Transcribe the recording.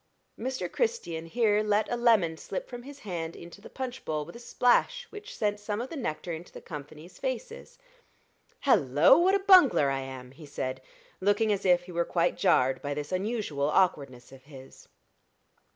Mr. Christian here let a lemon slip from his hand into the punch bowl with a splash which sent some of the nectar into the company's faces. "Hallo! What a bungler I am!" he said, looking as if he were quite jarred by this unusual awkwardness of his.